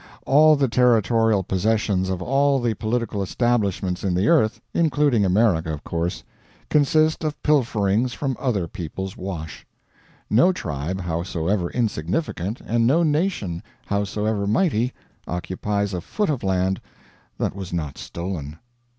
All the territorial possessions of all the political establishments in the earth including America, of course consist of pilferings from other people's wash. No tribe, howsoever insignificant, and no nation, howsoever mighty, occupies a foot of land that was not stolen.